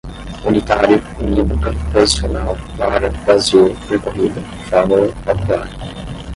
unitário, unívoca, posicional, vara, vazio, percorrida, fórmula, calcular